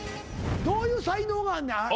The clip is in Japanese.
どういう才能があんねん？